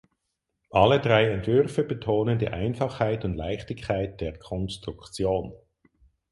Alle drei Entwürfe betonen die Einfachheit und Leichtigkeit der Konstruktion.